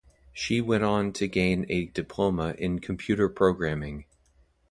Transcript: She went on to gain a diploma in computer programming.